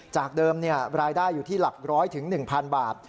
จากเดิมเนี่ยรายได้อยู่ที่หลักร้อยถึงหนึ่งพันบาท